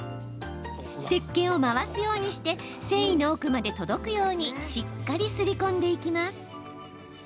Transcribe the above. せっけんを回すようにして繊維の奥まで届くようにしっかりすり込んでいきます。